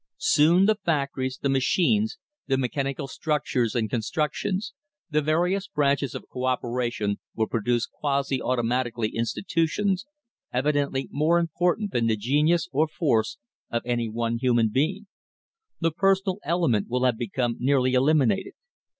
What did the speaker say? Soon the factories, the machines, the mechanical structures and constructions, the various branches of co operation will produce quasi automatically institutions evidently more important than the genius or force of any one human being. The personal element will have become nearly eliminated.